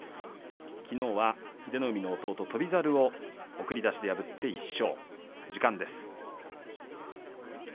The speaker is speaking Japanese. きのうは英乃海の弟翔猿を送り出しで破って１勝。